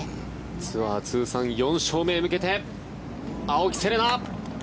ツアー通算４勝目へ向けて青木瀬令奈